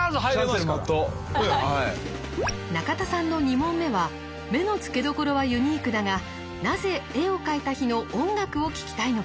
中田さんの２問目は目の付けどころはユニークだがなぜ絵を描いた日の音楽を聴きたいのか？